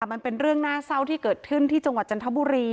มันเป็นเรื่องน่าเศร้าที่เกิดขึ้นที่จังหวัดจันทบุรี